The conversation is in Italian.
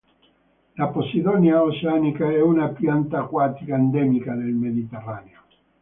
La Posidonia oceanica è una pianta acquatica, endemica del Mediterraneo.